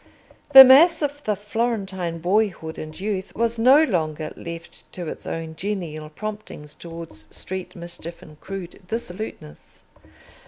The mass of the Florentine boyhood and youth was no longer left to its own genial promptings towards street mischief and crude dissoluteness.